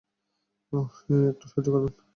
ওহ, hey একটু সাহায্য করবেন?